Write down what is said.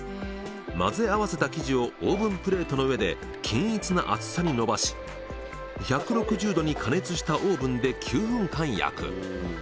混ぜ合わせた生地をオーブンプレートの上で均一な厚さにのばし１６０度に加熱したオーブンで９分間焼く。